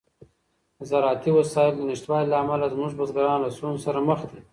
د زراعتي وسایلو د نشتوالي له امله زموږ بزګران له ستونزو سره مخ دي.